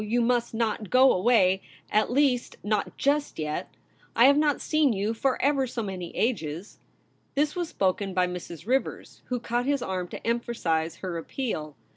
You must not go away ; at least. no THE REBEL ROSE. ViOX. just yet. I have not seen you for ever so many ages.' This was spoken by Mrs. Rivers, who caught his arm to emphasize her appeal.